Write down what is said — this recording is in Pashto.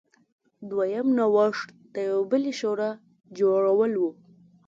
دویم نوښت د یوې بلې شورا جوړول و.